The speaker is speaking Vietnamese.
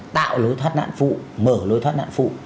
tạo lối thoát nạn phụ mở lối thoát nạn phụ